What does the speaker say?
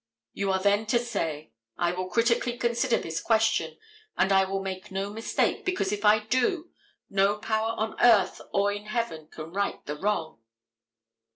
You are then to say, "I will critically consider this question, and I will make no mistake, because if I do, no power on earth or in heaven can right the wrong."